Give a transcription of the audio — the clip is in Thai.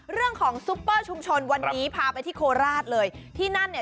ซุปเปอร์ชุมชนวันนี้พาไปที่โคราชเลยที่นั่นเนี่ย